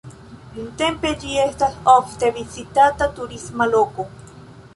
Nuntempe ĝi estas ofte vizitata turisma loko.